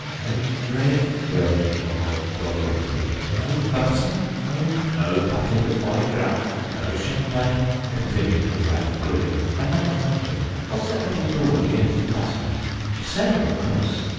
"No bread!" groaned the Mole dolorously; "no butter, no——" "No pâté de foie gras, no champagne!" continued the Rat, grinning. "And that reminds me—what's that little door at the end of the passage? Your cellar, of course!